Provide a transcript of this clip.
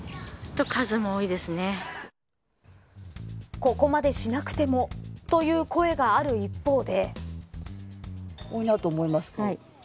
ここまでしなくてもという声がある一方で。